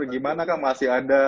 gimana kang masih ada